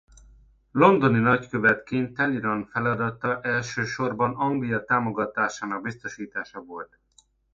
Londoni nagykövetként Talleyrand feladata elsősorban Anglia támogatásának biztosítása volt.